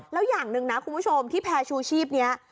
แล้วอย่างหนึ่งนะคุณผู้ชมที่แพร่ชูชีพนี้